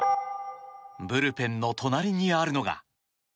ブルペンの隣にあるのが。